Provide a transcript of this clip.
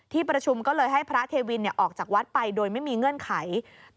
ประชุมก็เลยให้พระเทวินออกจากวัดไปโดยไม่มีเงื่อนไข